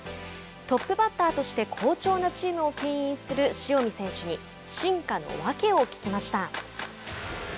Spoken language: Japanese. トップバッターとして好調なチームをけん引する塩見選手に進化のわけを聞きました。